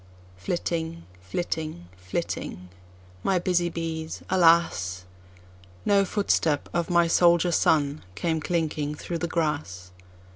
Flitting, flitting, flitting, my busy bees, alas! No footstep of my soldier son came clinking through the grass.